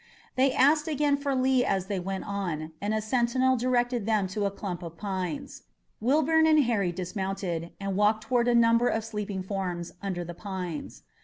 They asked again for Lee as they went on, and a sentinel directed them to a clump of pines. Wilbourn and Harry dismounted and walked toward a number of sleeping forms under the pines.